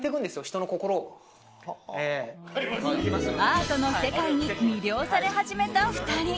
アートの世界に魅了され始めた２人。